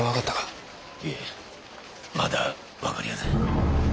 いえまだ分かりやせん。